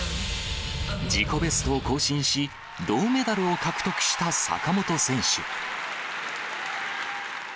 自己ベストを更新し、銅メダルを獲得した坂本選手。